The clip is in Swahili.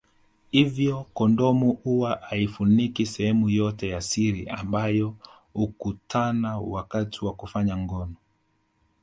Hivyo kondomu huwa haifuniki sehemu yote ya siri ambayo hukutana wakati wa kufanya ngono